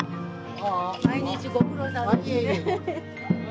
毎日ご苦労さまね。